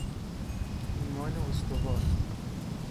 ایمان استوار